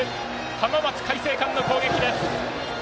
浜松開誠館の攻撃です。